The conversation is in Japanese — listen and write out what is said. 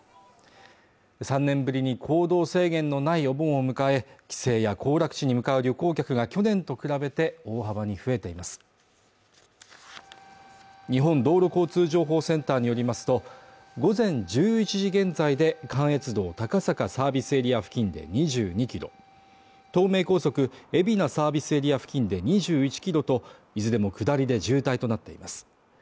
３年ぶりに行動制限のないお盆を迎え帰省や行楽地に向かう旅行客が去年と比べて大幅に増えています日本道路交通情報センターによりますと午前１１時現在で関越道高坂サービスエリア付近で２２ｋｍ東名高速海老名サービスエリア付近で２１キロといずれも下りで渋滞となっています